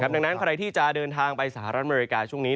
ดังนั้นใครที่จะเดินทางไปสหรัฐอเมริกาช่วงนี้